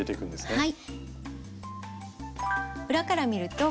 はい。